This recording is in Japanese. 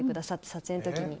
撮影の時に。